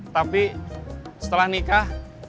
tapi setelah nikah